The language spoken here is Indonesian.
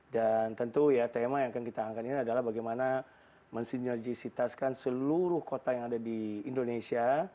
dan tentu ya tema yang akan kita angkat ini adalah bagaimana mensinergisitaskan seluruh kota yang ada di indonesia